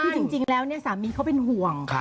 คือจริงแล้วสามีเขาเป็นห่วง